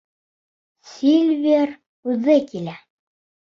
— Сильвер үҙе килә!